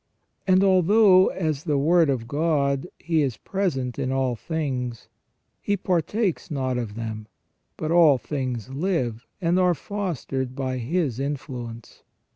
And although, as the Word of God, He is present in all things, He partakes not of them, but all things live and are fostered by His influence.